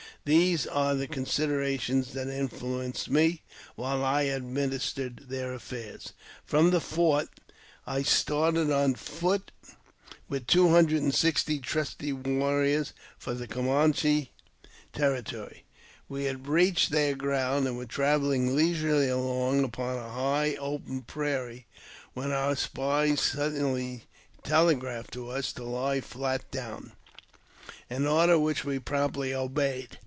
These are the considerations that influenced me while I ministered their affairs. From the fort I started on foot with two hundred and sixt trusty warriors for the Camanche territory. We had reached their ground, and were travelling leisurely along upon a high, _ open prairie, when our spies suddenly telegraphed to us to li|l flat down — an order which we promptly obeyed.